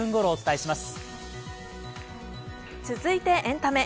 続いてエンタメ。